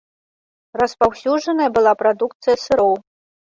Распаўсюджанай была прадукцыя сыроў.